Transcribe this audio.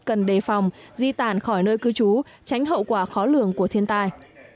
cần đề phòng di tản khỏi nơi cư trú tránh hậu quả khó lường của thiên tai